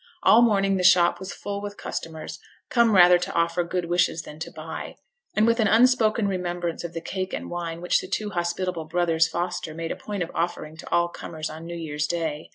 All morning the shop was full with customers, come rather to offer good wishes than to buy, and with an unspoken remembrance of the cake and wine which the two hospitable brothers Foster made a point of offering to all comers on new year's day.